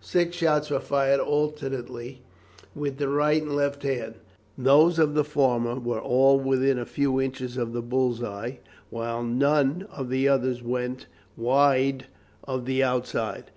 Six shots were fired alternately with the right and left hand. Those of the former were all within a few inches of the bull's eye, while none of the others went wide of the outside.